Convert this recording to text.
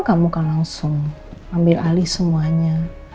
kamu ke langsung ambil alih semuanya